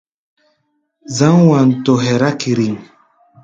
Zǎŋ Wanto hɛra kíríŋ.